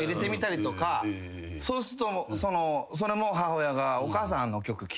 そうするとそれも母親が。